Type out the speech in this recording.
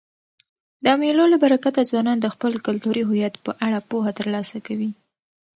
د مېلو له برکته ځوانان د خپل کلتوري هویت په اړه پوهه ترلاسه کوي.